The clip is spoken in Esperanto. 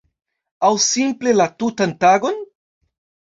Aŭ simple la tutan tagon?